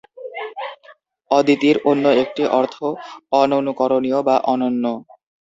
অদিতির অন্য একটি অর্থ 'অননুকরণীয়' বা 'অনন্য'।